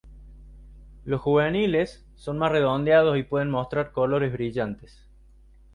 Los juveniles son más redondeados y pueden mostrar colores brillantes.